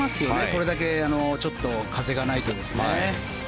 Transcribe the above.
これだけちょっと風がないと。